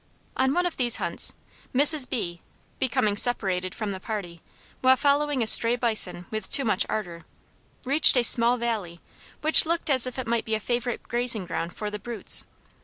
On one of these hunts, Mrs. B , becoming separated from the party while following a stray bison with too much ardor, reached a small valley which looked as if it might be a favorite grazing ground for the brutes.